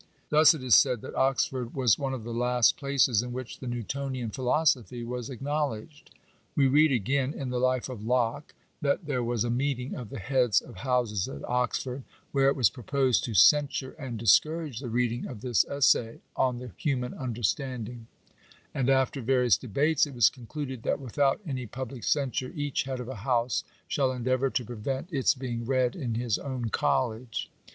Thus it is said, that Oxford was one of the last places in which the Newtonian philosophy was acknowledged. We read again, in the life of Locke, that " there was a meeting of the heads of houses at Oxford, where it was proposed to censure and discou rage the reading of this essay (On the Human Understanding) ; and after various debates, it was concluded that without any public censure each head of a house shall endeavour to prevent its being read in his own college."